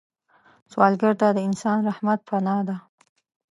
سوالګر ته د انسان رحمت پناه ده